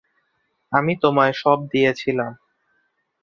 আমি তোমায় সব দিয়েছিলাম!